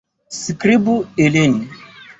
Skribu ilin.